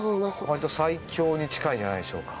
割と最強に近いんじゃないでしょうか？